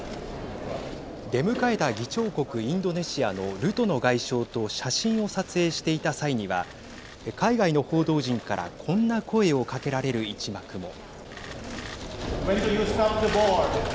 出迎えた議長国インドネシアのルトノ外相と写真を撮影していた際には海外の報道陣からこんな声をかけられる一幕も。